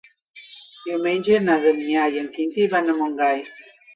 Diumenge na Damià i en Quintí van a Montgai.